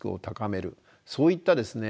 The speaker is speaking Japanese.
そういったですね